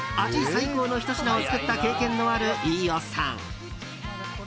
最高のひと品を作った経験のある飯尾さん。